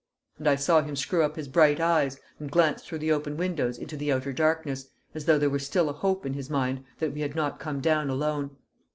And I saw him screw up his bright eyes, and glance through the open windows into the outer darkness, as though there was still a hope in his mind that we had not come down alone.